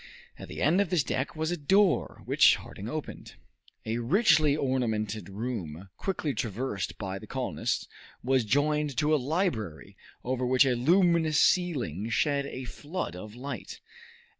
At the end of this deck was a door, which Harding opened. A richly ornamented room, quickly traversed by the colonists, was joined to a library, over which a luminous ceiling shed a flood of light.